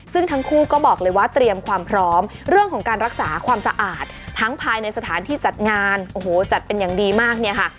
ซึ่งทั้งคู่ก็บอกเลยว่าเตรียมความพร้อมเรื่องของการรักษาความสะอาดทั้งภายในสถานที่จัดงานโอ้โหจัดเป็นอย่างดีมากเนี่ยค่ะ